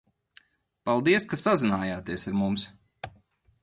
Paldies, ka sazinājāties ar mums!